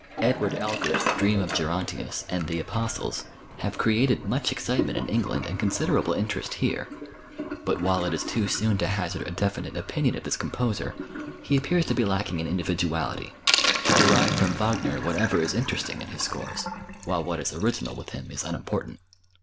Edward Elgar's "Dream of Gerontius" and "The Apostles" have created much excitement in England and considerable interest here, but while it is too soon to hazard a definite opinion of this composer, he appears to be lacking in individuality to derive from Wagner whatever is interesting in his scores, while what is original with him is unimportant.